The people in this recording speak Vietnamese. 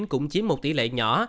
cũng chiếm một tỷ lệ nhỏ